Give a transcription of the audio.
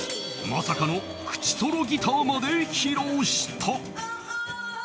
まさかのくちソロギターまで披露した。